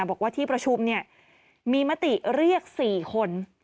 บอกว่าที่ประชุมเนี่ยมีมติเรียก๔คน